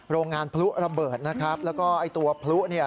โรงงานพลุระเบิดนะครับแล้วก็ไอ้ตัวพลุเนี่ย